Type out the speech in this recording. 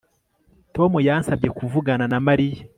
Tom yansabye kuvugana na Mariya